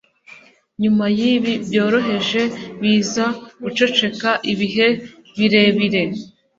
nyuma yibi byoroheje biza guceceka ibihe birebire